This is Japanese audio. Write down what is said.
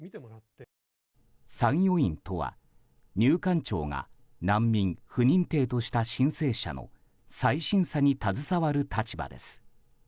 参与員とは、入管庁が難民不認定とした申請者の再審査に携わる立場です。